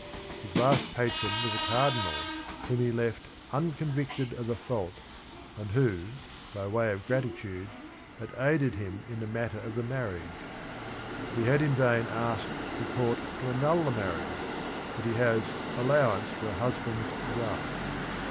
His last patron was a cardinal whom he left "unconvicted of a fault," and who, "by way of gratitude," had aided him in the matter of the marriage. He had in vain asked the court to annul the marriage, but he has "allowance for a husband's right."